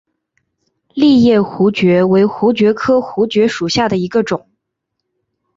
栎叶槲蕨为槲蕨科槲蕨属下的一个种。